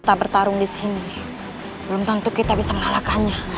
kita bertarung disini belum tentu kita bisa mengalahkannya